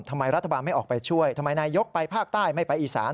ทำไมรัฐบาลไม่ออกไปช่วยทำไมนายยกไปภาคใต้ไม่ไปอีสาน